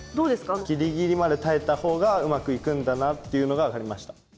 ギリギリまで耐えたほうがうまくいくんだなっていうのが分かりました。